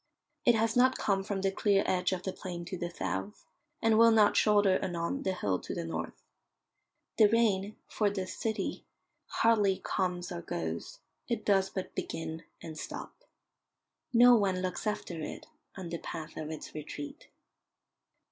It has not come from the clear edge of the plain to the south, and will not shoulder anon the hill to the north. The rain, for this city, hardly comes or goes; it does but begin and stop. No one looks after it on the path of its retreat.